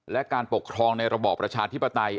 และการปกครองในระบอบประชาธิปไตย